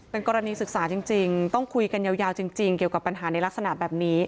เป็นกรณีศึกษาจริงต้องคุยกันยาวจริงเกี่ยวกับปัญหาในลักษณะแบบนี้